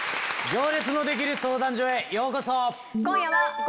『行列のできる相談所』へようこそ。